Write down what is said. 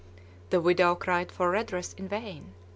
The widow cried for redress in vain.